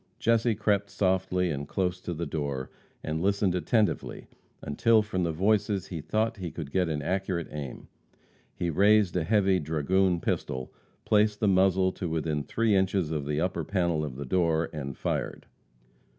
Jesse crept softly and close to the door, and listened attentively until, from the voices, he thought he could get an accurate aim. He raised a heavy dragoon pistol, placed the muzzle to within three inches of the upper panel of the door, and fired.